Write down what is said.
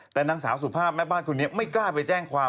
แต่นางสาวสุภาพแม่บ้านคนนี้ไม่กล้าไปแจ้งความ